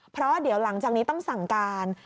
เพราะเดี๋ยวหลังจากนี้ต้องสั่งการ